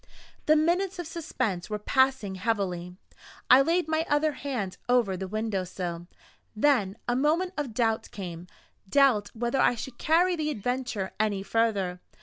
The minutes of suspense were passing heavily I laid my other hand over the window sill, then a moment of doubt came doubt whether I should carry the adventure any further.